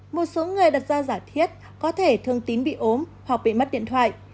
một số người đặt ra giả thiết có thể thương tín bị ốm hoặc bị mất điện thoại